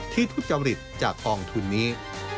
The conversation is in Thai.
ที่ทุจริตจากองค์ทุนนี้